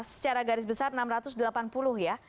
secara garis besar enam ratus delapan puluh ya